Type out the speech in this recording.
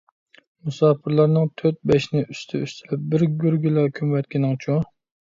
مۇساپىرلارنىڭ تۆت - بەشىنى ئۈستى - ئۈستىلەپ بىر گۆرگىلا كۆمۈۋەتكىنىڭچۇ؟...